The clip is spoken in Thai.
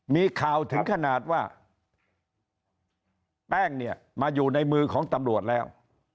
มีข่าวถึงขนาดว่าแป้งเนี่ยมาอยู่ในมือของตำรวจแล้ว